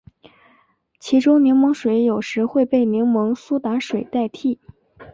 其中柠檬水有时会被柠檬苏打水代替。